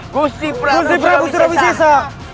gusti prabu surabisisa